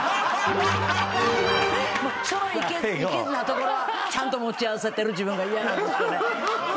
そのいけずなところはちゃんと持ち合わせてる自分が嫌なんですよね。